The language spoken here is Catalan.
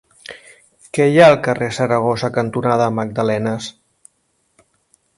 Què hi ha al carrer Saragossa cantonada Magdalenes?